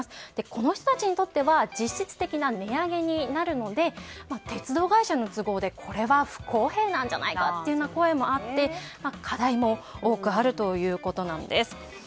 この人たちにとっては実質的な値上げになるので鉄道会社の都合でこれは不公平じゃないかという声もあって課題も多くあるということなんです。